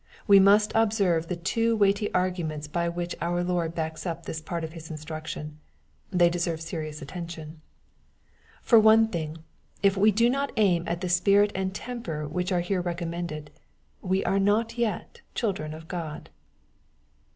We must observe the two weighty arguments by which our Lord backs up this part of His instruction. They deserve serious attention. For one thing, if we do not aim at the spirit and tem per which are here recommended, we are not yet children of God.